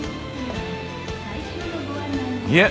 いえ。